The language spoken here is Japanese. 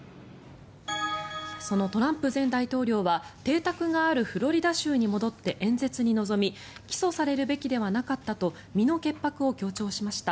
そのトランプ前大統領は邸宅があるフロリダ州に戻って演説に臨み起訴されるべきではなったと身の潔白を強調しました。